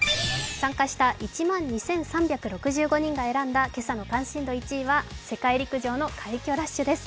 参加した１万２３６５人の今朝の関心度ランキング１位は世界陸上の快挙ラッシュです。